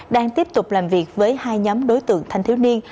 đang tiếp tục làm việc với hai nhóm đối tượng thanh thiếu niên